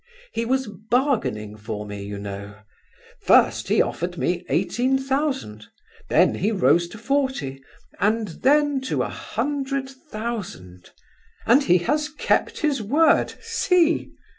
He was bargaining for me, you know; first he offered me eighteen thousand; then he rose to forty, and then to a hundred thousand. And he has kept his word, see!